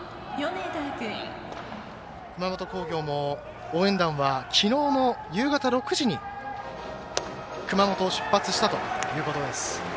熊本工業も応援団はきのうの夕方６時に熊本を出発したということです。